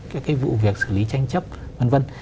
các cái vụ việc xử lý tranh chấp vân vân